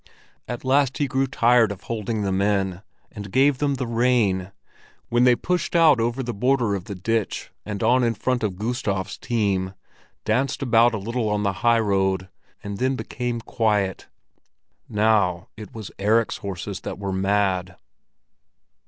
At last he grew tired of holding them in, and gave them the rein, when they pushed out over the border of the ditch and on in front of Gustav's team, danced about a little on the high road, and then became quiet. Now it was Erik's horses that were mad.